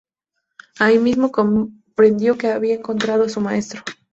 Ahí mismo comprendió que había encontrado a su maestro.